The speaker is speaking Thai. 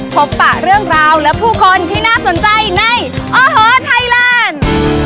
ปะเรื่องราวและผู้คนที่น่าสนใจในโอ้โหไทยแลนด์